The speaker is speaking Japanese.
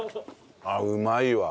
ああうまいわ。